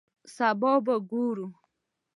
سبا به ګورو